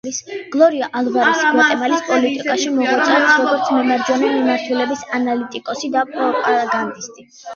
გლორია ალვარესი გვატემალის პოლიტიკაში მოღვაწეობს როგორც მემარჯვენე მიმართულების ანალიტიკოსი და პროპაგანდისტი.